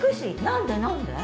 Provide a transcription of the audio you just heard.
何で何で？